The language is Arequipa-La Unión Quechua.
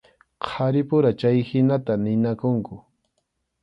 Qharipura chayhinata ninakunku.